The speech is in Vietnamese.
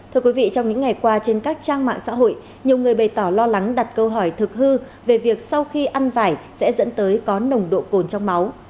thưa quý vị trong những ngày qua trên các trang mạng xã hội nhiều người bày tỏ lo lắng đặt câu hỏi thực hư về việc sau khi ăn vải sẽ dẫn tới có nồng độ cồn trong máu